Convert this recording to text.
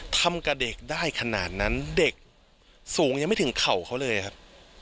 ทำกับเด็กได้ขนาดนั้นเด็กสูงยังไม่ถึงเข่าเขาเลยครับ